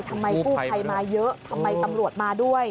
ทำไมกู้ภัยมาเยอะทำไมตำรวจมาด้วย